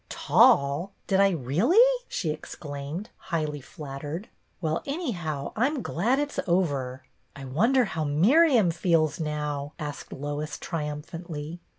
" "Tall! Did I really.?" she exclaimed, highly flattered. " Well, anyhow, I 'm glad it's over." " I wonder how Miriam feels now," asked Lois, triumphantly.